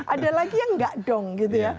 ada lagi yang enggak dong gitu ya